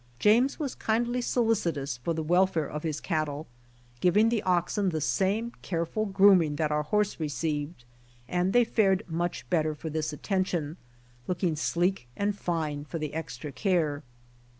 James was kindly solicitous for the welfare of his cattle, giving the oxen the same careful grooming that our horse received, and they fared much better for this attention, looking sleek and fine for the extra care.